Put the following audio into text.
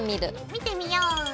見てみよう！